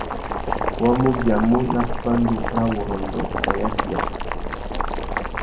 Wa mù biamú nà pandúrâwurrôndô nà yafiya.